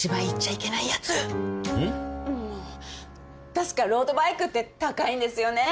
確かロードバイクって高いんですよね？